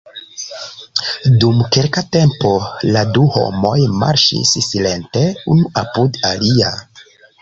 Dum kelka tempo la du homoj marŝis silente unu apud alia.